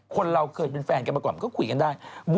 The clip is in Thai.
คนเราเคยเป็นแฟนกันมาก่อนมันก็คุยกันได้